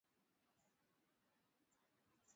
Smasher ni rafiki yangu